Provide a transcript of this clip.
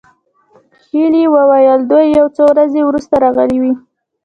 هيلې وویل دوی یو څو ورځې وروسته راغلې وې